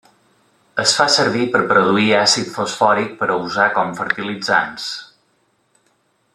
Es fa servir per produir àcid fosfòric per a usar com fertilitzants.